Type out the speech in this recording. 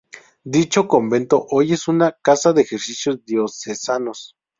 Dicho convento hoy es una casa de ejercicios diocesanos.